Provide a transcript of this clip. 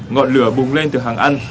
ngọn lửa bùng lên từ hàng ăn